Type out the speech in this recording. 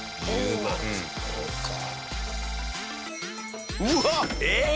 うわっ！えっ！？